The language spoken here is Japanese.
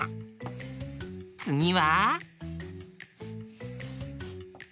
つぎは？